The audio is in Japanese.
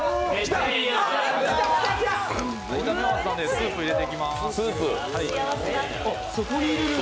スープ入れていきます。